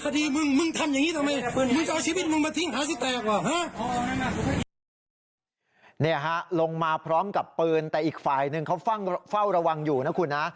นี่ฮะลงมาพร้อมกับปืนแต่อีกฝ่ายหนึ่งเขาเฝ้าระวังอยู่นะคุณนะ